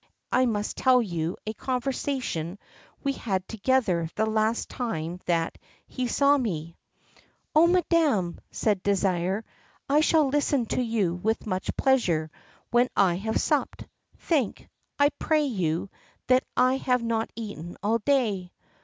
I must tell you a conversation we had together the last time that he saw me." "Oh, Madam," said Désir, "I shall listen to you with much pleasure when I have supped; think, I pray you, that I have not eaten all day."